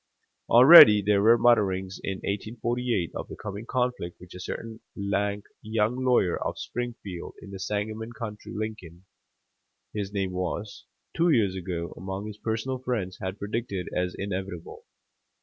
Already there were mutterings in 1848 of the coming conflict which a certain lank young lawyer of Springfield, in the Sangamon country Lincoln, his name was two years ago among his personal friends had predicted as inevitable.